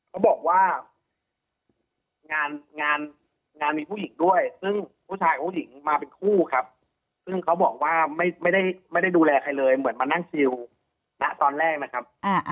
เขาบอกว่างานงานมีผู้หญิงด้วยซึ่งผู้ชายกับผู้หญิงมาเป็นคู่ครับซึ่งเขาบอกว่าไม่ได้ดูแลใครเลยเหมือนมานั่งชิลณตอนแรกนะครับ